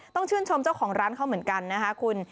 ต้องชื่นชมเจ้าของร้านเขาเหมือนกันนะคะคุณ